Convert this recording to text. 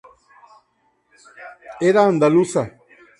Era andaluza.